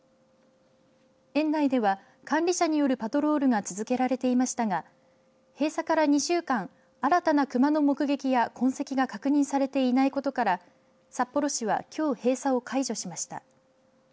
園内では管理者によるパトロールが続けられていましたが閉鎖から２週間新たな熊の目撃や痕跡が確認されていないことから札幌市は、きょう閉鎖を解除しました。